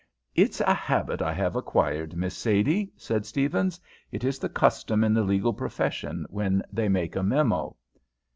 "It is a habit I have acquired, Miss Sadie," said Stephens; "it is the custom in the legal profession when they make a memo."